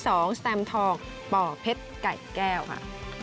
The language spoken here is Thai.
ก็คือแสมทองป่อเพชรไก่แก้วค่ะ